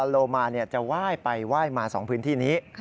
โลมาจะว่ายไปว่ายมาสองพื้นที่นี้